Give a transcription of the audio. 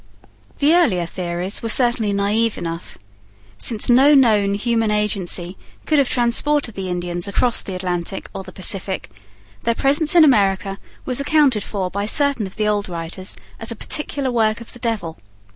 The earlier theories were certainly naive enough. Since no known human agency could have transported the Indians across the Atlantic or the Pacific, their presence in America was accounted for by certain of the old writers as a particular work of the devil.